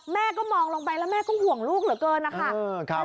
แม่ก็มองลงไปแล้วแม่ก็ห่วงลูกเหลือเกินนะคะ